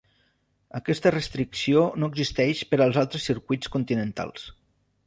Aquesta restricció no existeix per a altres circuits continentals.